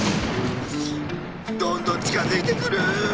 どんどんちかづいてくる！